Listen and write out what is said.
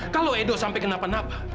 kalau edo sampai kenapa napa